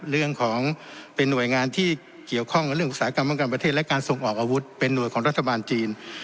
เรื่องของเป็นหน่วยงานที่เกี่ยวข้องกับเรื่องอุตสาหกรรมป้องกันประเทศและการส่งออกอาวุธเป็นหน่วยของรัฐบาลจีน